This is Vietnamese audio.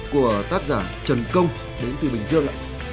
của tác giả trần công đến từ bình dương